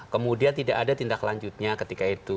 kemudian tidak ada tindak lanjutnya ketika itu